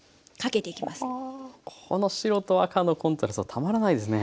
ははこの白と赤のコントラストはたまらないですね。